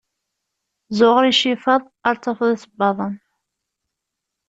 zuɣer icifaḍ ar tafeḍ isebbaḍen.